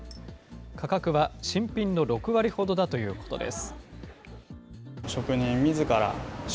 価格は新品の６割ほどだということです。